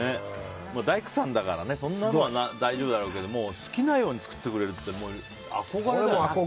大工さんだからそんなのは大丈夫だろうけど好きなように作ってくれるって憧れだよね。